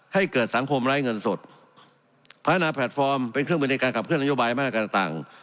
ให้เกิดสังคมไร้เงินสดพัฒนาแพลตฟอร์มเป็นเครื่องบินในการขับเคลื่อนนโยบายมาตรการต่างต่าง